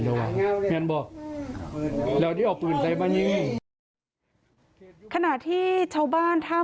แล้วอ่ะมีอันบอกแล้วนี่เอาปืนใส่มายิงขณะที่ชาวบ้านท่า